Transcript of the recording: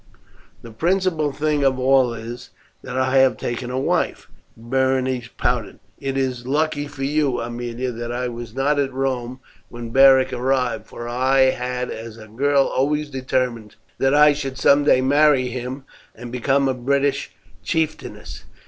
The principal thing of all is, that I have taken a wife." Berenice pouted. "It is lucky for you, Aemilia, that I was not at Rome when Beric arrived, for I had as a girl always determined that I should some day marry him and become a British chieftainess.